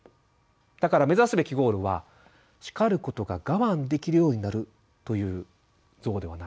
だから目指すべきゴールは「叱ることが我慢できるようになる」という像ではないんです。